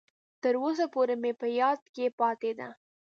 تر اوسه پورې مې په یاد کې پاتې ده.